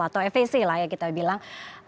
atau efesi lah ya kita bilang